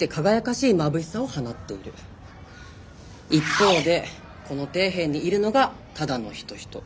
一方でこの底辺にいるのが只野仁人。